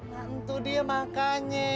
gantuh dia makannya